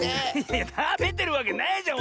いやたべてるわけないじゃん！